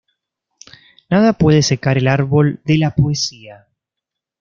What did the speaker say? Nada puede secar el árbol de la poesía".